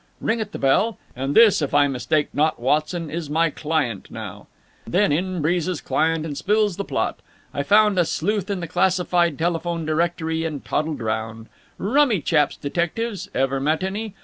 Ring at the bell. 'And this, if I mistake not, Watson, is my client now.' And then in breezes client and spills the plot. I found a sleuth in the classified telephone directory, and toddled round. Rummy chaps, detectives! Ever met any?